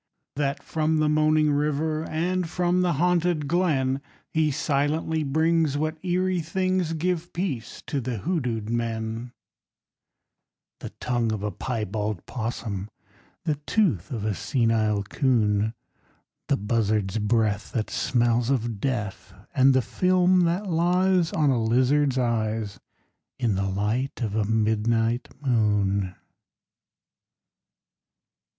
That from the moaning river And from the haunted glen He silently brings what eerie things Give peace to hoodooed men: _The tongue of a piebald 'possum, The tooth of a senile 'coon, The buzzard's breath that smells of death, And the film that lies On a lizard's eyes In the light of a midnight moon!